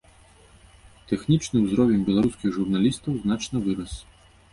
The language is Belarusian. Тэхнічны ўзровень беларускіх журналістаў значна вырас.